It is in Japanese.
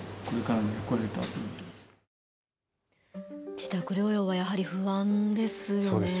自宅療養はやはり不安ですよね。